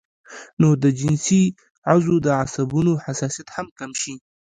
نو د جنسي عضو د عصبونو حساسيت هم کم شي